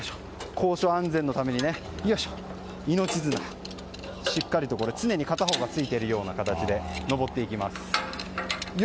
高所安全のために命綱をしっかりと常に片方がついている形で上っていきます。